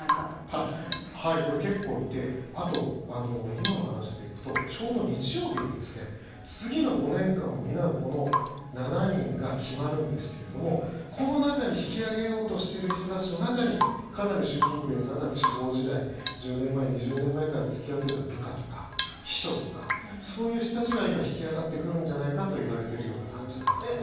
はい、これ、結構いてあと、今の話で行くとちょうど日曜日に次の５年間を担うこの７人が決まるんですけれどもこの中に引き上げようとしてる人たちの中にかなり、習近平さんが地方時代１０年前、２０年前から付き合ってた部下とか秘書とかそういう人たちが、今引き上がってくるんじゃないかと言われているような感じなんですね。